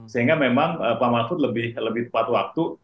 sehingga memang pak mahfud lebih tepat waktu